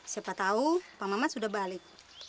siapa tahu pak mamat sudah balik